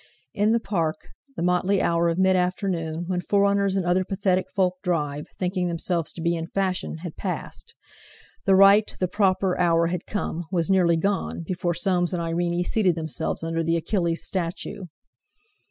In the Park, the motley hour of mid afternoon, when foreigners and other pathetic folk drive, thinking themselves to be in fashion, had passed; the right, the proper, hour had come, was nearly gone, before Soames and Irene seated themselves under the Achilles statue.